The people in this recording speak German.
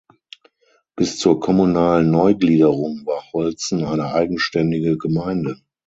Bis zur kommunalen Neugliederung war Holzen eine eigenständige Gemeinde.